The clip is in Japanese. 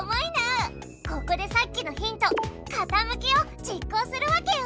ここでさっきのヒント「かたむき」を実行するわけよ。